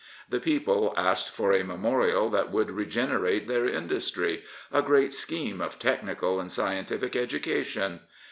The people asked for a memorial that would regenerate their industry — a great scheme of technical and scientific education.